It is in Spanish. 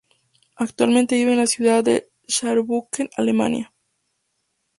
Actualmente vive en la ciudad de Saarbrücken, Alemania.